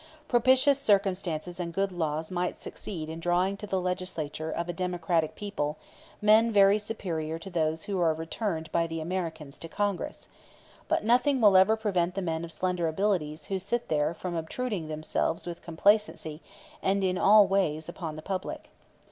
Propitious circumstances and good laws might succeed in drawing to the legislature of a democratic people men very superior to those who are returned by the Americans to Congress; but nothing will ever prevent the men of slender abilities who sit there from obtruding themselves with complacency, and in all ways, upon the public.